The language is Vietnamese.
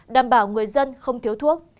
đảm bảo người dân không thiếu thuốc